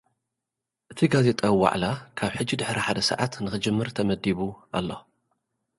እቲ ጋዜጣዊ ዋዕላ፡ ካብ ሕጂ ድሕሪ ሓደ ሰዓት ንኽጅምር ተመዲቡ ኣሎ።